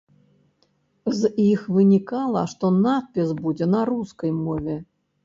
З іх вынікала, што надпіс будзе на рускай мове.